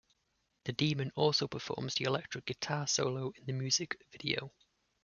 The demon also performs the electric guitar solo in the music video.